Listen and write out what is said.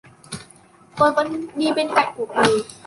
Tôi vẫn đi bên cạnh cuộc đời